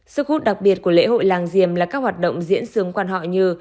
sức hút đặc biệt của lễ hội làng diềm là các hoạt động diễn xướng quan họ như